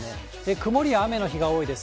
曇りや雨の日が多いです。